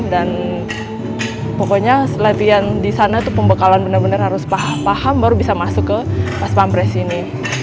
dan pokoknya latihan di sana itu pembekalan benar benar harus paham baru bisa masuk ke pas pampres ini